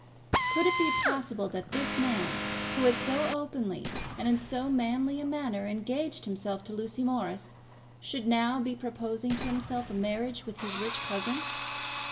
Could it be possible that this man, who had so openly and in so manly a manner engaged himself to Lucy Morris, should now be proposing to himself a marriage with his rich cousin?